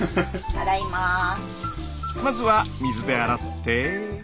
まずは水で洗って。